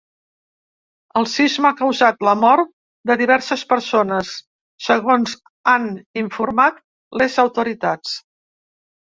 El sisme ha causat la mort de diverses persones, segons han informat les autoritats.